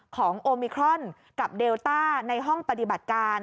โอมิครอนกับเดลต้าในห้องปฏิบัติการ